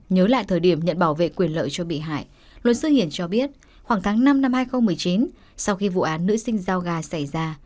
nhớ lại thời điểm nhận bảo vệ quyền lợi cho bị hại luật sư hiển cho biết khoảng tháng năm năm hai nghìn một mươi chín sau khi vụ án nữ sinh giao gà xảy ra